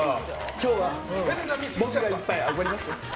今日は僕が１杯おごりますよ。